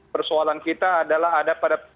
persoalan kita adalah ada pada